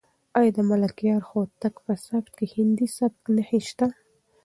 آیا د ملکیار هوتک په سبک کې د هندي سبک نښې شته؟